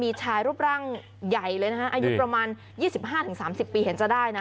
มีชายรูปร่างใหญ่เลยนะฮะอายุประมาณ๒๕๓๐ปีเห็นจะได้นะ